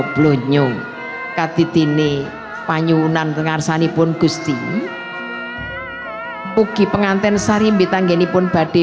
blonyong katidini panyu nan dengar sani pun gusti puki pengantin sari mbitang gini pun badi